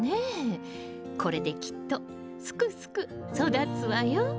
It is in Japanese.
これできっとすくすく育つわよ。